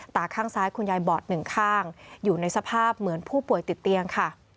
ตาข้างซ้ายคุณยายบอดหนึ่งข้างอยู่ในสภาพเหมือนผู้ป่วยติดเตียงค่ะ